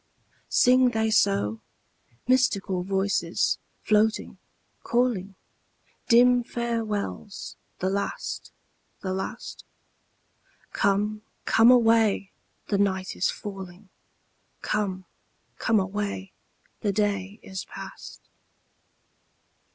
Sing they so? Mystical voices, floating, calling; Dim farewells the last, the last? Come, come away, the night is falling; 'Come, come away, the day is past.'